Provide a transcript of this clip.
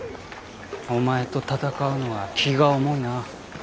お前と戦うのは気が重いな。